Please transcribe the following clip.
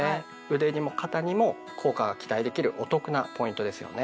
腕にも肩にも効果が期待できるお得なポイントですよね。